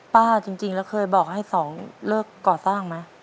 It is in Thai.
จริงแล้วเคยบอกให้สองเลิกก่อสร้างไหม